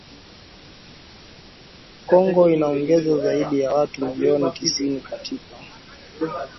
Kongo inaongeza zaidi ya watu milioni tisini katika